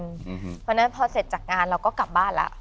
ทุกวันนั้นพอเสร็จจากงานเราก็กลับบ้านล่ะ